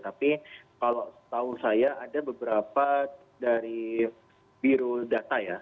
tapi kalau tahu saya ada beberapa dari birodata ya